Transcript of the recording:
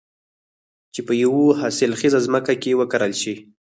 چې په يوه حاصل خېزه ځمکه کې وکرل شي.